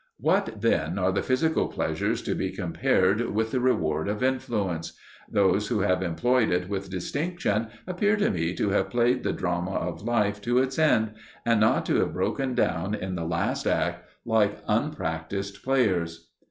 What then are the physical pleasures to be compared with the reward of influence? Those who have employed it with distinction appear to me to have played the drama of life to its end, and not to have broken down in the last act like unpractised players.